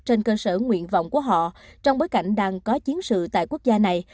trên cơ sở nguyện vọng của họ trong bối cảnh đang có chiến sự tại quốc gia này